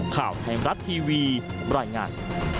ข่าวไทยรับทีวีรายงาน